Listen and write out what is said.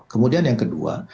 kemudian yang kedua